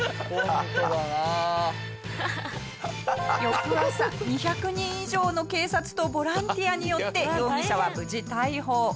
翌朝２００人以上の警察とボランティアによって容疑者は無事逮捕。